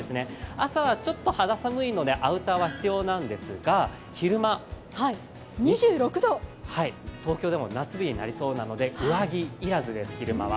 朝はちょっと肌寒いのでアウターは必要なんですが昼間、東京でも夏日になりそうなので上着要らずです、昼間は。